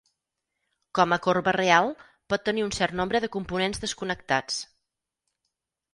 Com a corba real, pot tenir un cert nombre de components desconnectats.